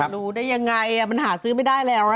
รู้ได้ยังไงมันหาซื้อไม่ได้แล้ว